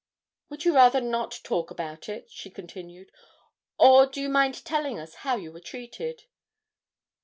'Would you rather not talk about it,' she continued, 'or do you mind telling us how you were treated?'